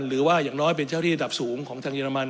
หรือว่าอย่างน้อยเป็นเจ้าที่ระดับสูงของทางเรมัน